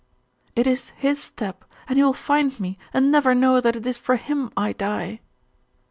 'It is his step! And he will find me, and never know that it is for him I die!